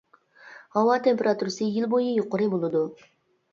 ھاۋا تېمپېراتۇرىسى يىل بويى يۇقىرى بولىدۇ.